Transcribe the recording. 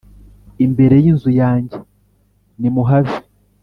imbere y inzu yanjye nimuhave